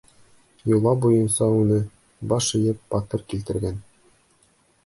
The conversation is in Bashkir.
Йола буйынса, уны, баш эйеп, батыр килтергән.